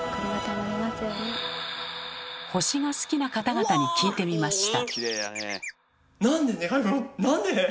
星が好きな方々に聞いてみました。